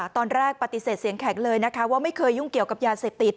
ตอนแรกปฏิเสธเสียงแข็งเลยนะคะว่าไม่เคยยุ่งเกี่ยวกับยาเสพติด